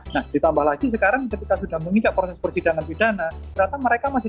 nah ditambah lagi sekarang ketika sudah mengijak proses persidangan pidana ternyata mereka masih